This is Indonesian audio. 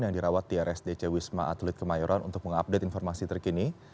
yang dirawat di rsdc wisma atlet kemayoran untuk mengupdate informasi terkini